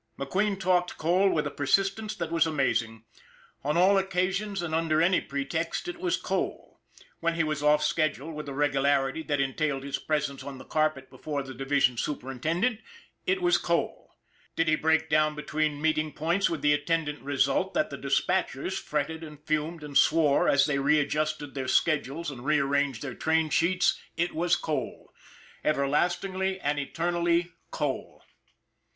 McQueen talked coal with a persistence that was amazing. On all occasions and under any pretext it was coal. Was he off schedule with a regularity that entailed his presence on the carpet before the division superintendent, it was coal. Did he break down be tween meeting points with the attendant result that the dispatchers fretted and fumed and swore as they readjusted their schedules and rearranged their train sheets, it was coal. Everlastingly and eternally coal.